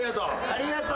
ありがとう。